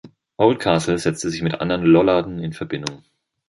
Oldcastle setzte sich mit anderen Lollarden in Verbindung.